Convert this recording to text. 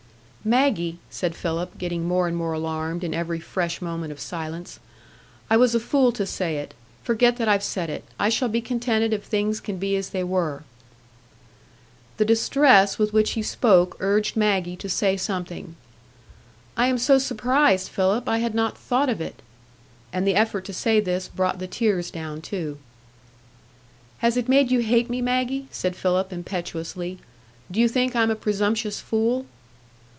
"Maggie," said Philip, getting more and more alarmed in every fresh moment of silence, "I was a fool to say it; forget that I've said it. I shall be contented if things can be as they were." The distress with which he spoke urged Maggie to say something. "I am so surprised, Philip; I had not thought of it." And the effort to say this brought the tears down too. "Has it made you hate me, Maggie?" said Philip, impetuously. "Do you think I'm a presumptuous fool?"